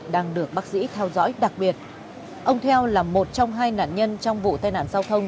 đang được bác sĩ theo dõi đặc biệt ông theo là một trong hai nạn nhân trong vụ tai nạn giao thông